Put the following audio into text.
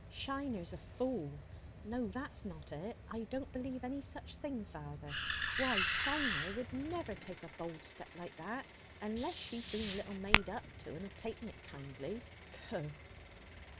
"Shiner's a fool! no, that's not it; I don't believe any such thing, father. Why, Shiner would never take a bold step like that, unless she'd been a little made up to, and had taken it kindly. Pooh!"